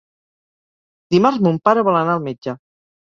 Dimarts mon pare vol anar al metge.